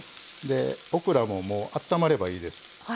オクラもあったまればいいです。